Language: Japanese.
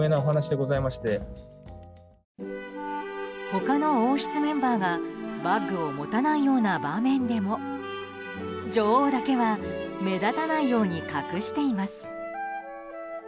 他の王室メンバーがバッグを持たないような場面でも女王だけは目立たないように隠しています。